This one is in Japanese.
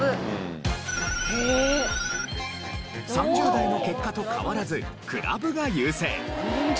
３０代の結果と変わらずクラブが優勢。